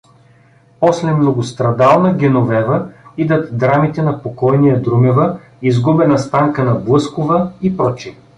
После Многострадална Геновева идат драмите на покойния Друмева, Изгубена Станка на Блъскова и пр.